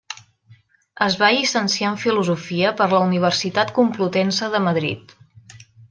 Es va llicenciar en filosofia per la Universitat Complutense de Madrid.